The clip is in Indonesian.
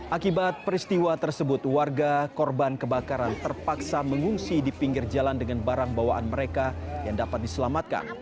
akibat peristiwa tersebut warga korban kebakaran terpaksa mengungsi di pinggir jalan dengan barang bawaan mereka yang dapat diselamatkan